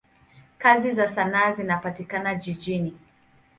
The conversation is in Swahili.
Kazi za sanaa zinapatikana jijini.